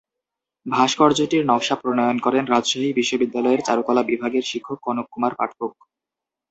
ভাস্কর্যটির নকশা প্রণয়ন করেন রাজশাহী বিশ্ববিদ্যালয়ের চারুকলা বিভাগের শিক্ষক কনক কুমার পাঠক।